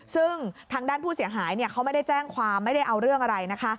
ซึ่งทางด้านผู้เสียหายเขาไม่ได้แจ้งความไม่ได้เอาเรื่องอะไรนะคะ